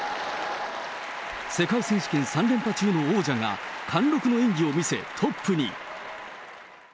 世界選手権３連覇中の王者が、貫禄の演技を見せ、トップに。